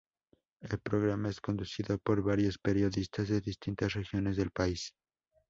El programa es conducido por varios periodistas de distintas regiones del país.